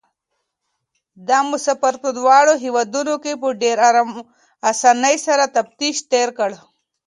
دا مسافر په دواړو هېوادونو کې په ډېرې اسانۍ سره تفتيش تېر کړ.